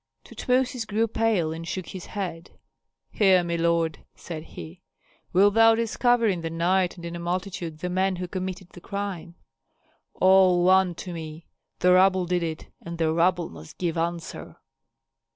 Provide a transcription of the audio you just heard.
Tutmosis grew pale, and shook his head. "Hear me, lord," said he; "wilt thou discover in the night and in a multitude the men who committed the crime?" "All one to me. The rabble did it, and the rabble must give answer."